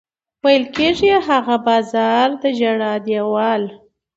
ویل کېږي هغه بازار د ژړا دېوال.